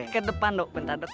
ke depan dok bentar dok